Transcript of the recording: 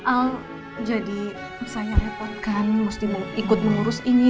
al jadi saya repotkan mesti ikut mengurus ini